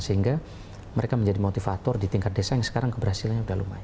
sehingga mereka menjadi motivator di tingkat desa yang sekarang keberhasilannya sudah lumayan